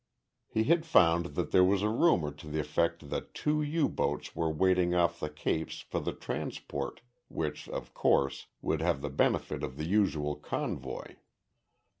He had found that there was a rumor to the effect that two U boats were waiting off the Capes for the transport, which, of course, would have the benefit of the usual convoy.